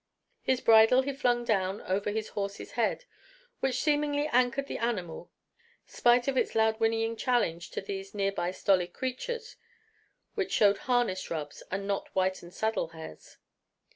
His bridle he flung down over his horse's head, which seemingly anchored the animal, spite of its loud whinnying challenge to these near by stolid creatures which showed harness rubs and not whitened saddle hairs.